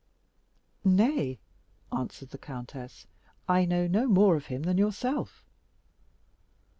"Nay," answered the countess, "I know no more of him than yourself."